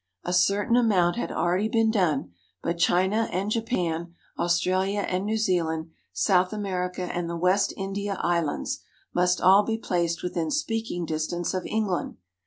A certain amount had already been done, but China and Japan, Australia and New Zealand, South America and the West India Islands, must all be placed within speaking distance of England.